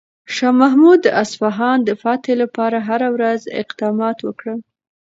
شاه محمود د اصفهان د فتح لپاره هره ورځ اقدامات وکړل.